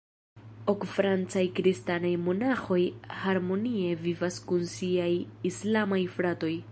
Ok francaj kristanaj monaĥoj harmonie vivas kun siaj islamaj fratoj.